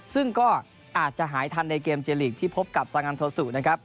ซึ่งก็อาจจะหายทันในเกมเจลีกที่พบกับซางันโทสุนะครับ